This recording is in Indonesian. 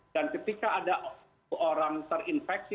dan ketika ada orang terinfeksi